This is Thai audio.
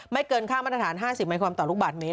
เกินค่ามาตรฐาน๕๐มิคอมต่อลูกบาทเมตร